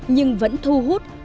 nhưng vẫn thu hút